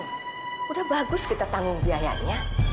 sudah bagus kita tanggung biayanya